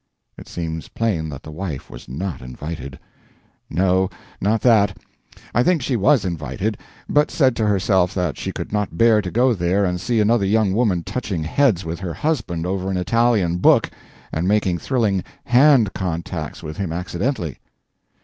It seems plain that the wife was not invited. No, not that; I think she was invited, but said to herself that she could not bear to go there and see another young woman touching heads with her husband over an Italian book and making thrilling hand contacts with him accidentally.